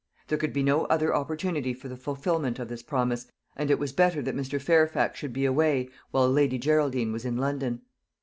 There could be no other opportunity for the fulfilment of this promise, and it was better that Mr. Fairfax should be away while Lady Geraldine was in London.